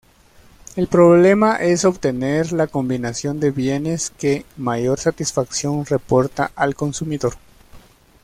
El problema es obtener la combinación de bienes que mayor satisfacción reporta al consumidor.